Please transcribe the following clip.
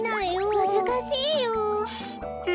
むずかしいよ。は